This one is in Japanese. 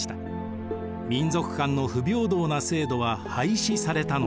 民族間の不平等な制度は廃止されたのです。